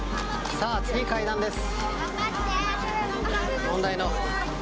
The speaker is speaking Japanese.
さあ、次、階段です。